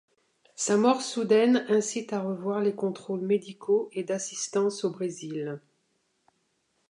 Sa mort soudaine incite à revoir les contrôles médicaux et d'assistance au Brésil.